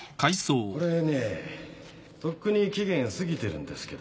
これねとっくに期限過ぎてるんですけど。